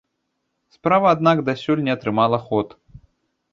Справа, аднак, дасюль не атрымала ход.